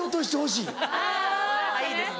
いいですね。